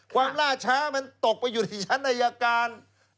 ล่าช้ามันตกไปอยู่ในชั้นอายการ